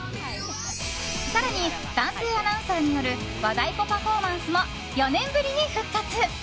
更に、男性アナウンサーによる和太鼓パフォーマンスも４年ぶりに復活。